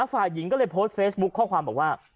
ฝ่ายหญิงก็เลยโพสต์เฟซบุ๊คข้อความบอกว่า